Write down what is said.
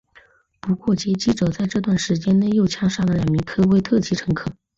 不过劫机者在这段时间内又枪杀了两名科威特籍乘客。